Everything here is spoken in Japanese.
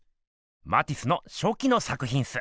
マティスのしょきの作ひんっす。